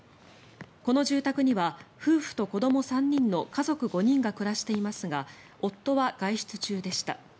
この住宅には夫婦と子ども３人の家族５人が暮らしていますが夫は外出中でした。